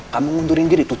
kamu ngundurin diri tuh